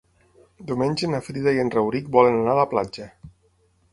Diumenge na Frida i en Rauric volen anar a la platja.